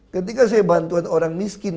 ketika saya bantuan orang miskin